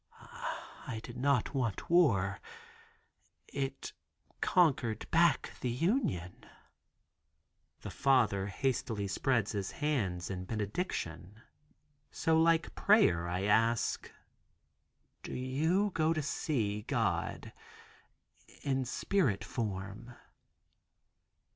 "I did not want war. It conquered back the Union." The father hastily spreads his hands in benediction. So like prayer I ask: "Do you go to see God in spirit form?"